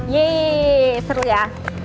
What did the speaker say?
yeay seru ya